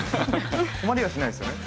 困りはしないですよね。